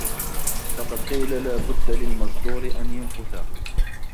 فَقَدْ قِيلَ لَا بُدَّ لِلْمَصْدُورِ أَنْ يَنْفُثَ